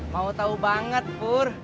mau tau banget pur